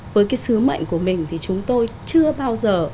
với cái sứ mệnh của mình thì chúng tôi chưa bao giờ